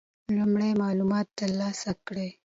لومړی معلومات ترلاسه کړئ.